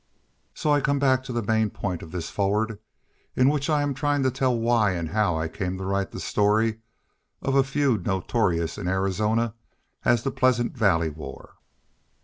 So I come back to the main point of this foreword, in which I am trying to tell why and how I came to write the story of a feud notorious in Arizona as the Pleasant Valley War.